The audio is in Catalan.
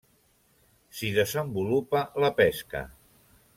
S'hi desenvolupa la pesca.